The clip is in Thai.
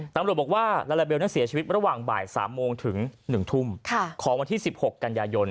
ตำรวจบอกว่าลาลาเบลนั้นเสียชีวิตระหว่างบ่าย๓โมงถึง๑ทุ่มของวันที่๑๖กันยายน